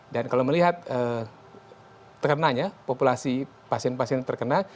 dan kalau melihat terkenanya populasi pasien pasien terkena